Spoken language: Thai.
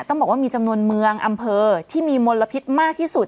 ต้องบอกว่ามีจำนวนเมืองอำเภอที่มีมลพิษมากที่สุด